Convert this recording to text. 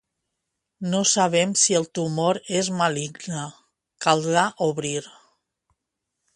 No sabem si el tumor és maligne: caldrà obrir.